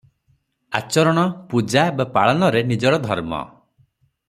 ଆଚରଣ, ପୂଜା ବା ପାଳନରେ ନିଜର ଧର୍ମ ।